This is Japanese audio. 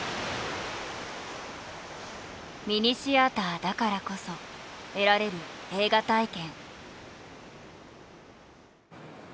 ミニシアターだからこそ得られる映画体験。